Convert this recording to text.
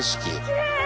きれい！